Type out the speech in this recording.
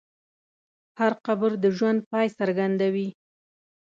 هر قبر د ژوند پای څرګندوي.